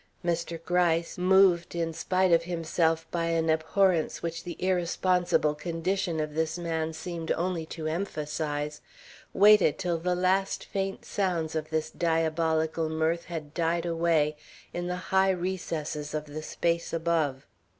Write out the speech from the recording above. Mr. Gryce, moved in spite of himself by an abhorrence which the irresponsible condition of this man seemed only to emphasize, waited till the last faint sounds of this diabolical mirth had died away in the high recesses of the space above.